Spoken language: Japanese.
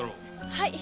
はい。